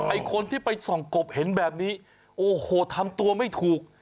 ไอ้คนที่ไปส่องกบเห็นแบบนี้โอ้โหทำตัวไม่ถูก